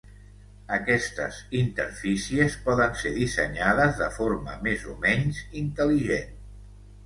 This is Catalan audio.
Aquestes interfícies poden ser dissenyades de forma més o menys intel·ligent.